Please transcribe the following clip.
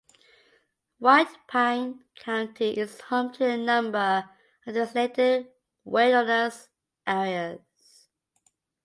White Pine County is home to a number of designated wilderness areas.